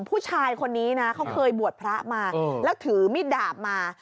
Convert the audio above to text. ผู้ชายคนนี้นะเขาเคยบวชพระมาแล้วถือมิดดาบมา